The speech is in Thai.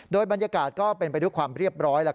โดยบรรยากาศก็เป็นไปด้วยความเรียบร้อย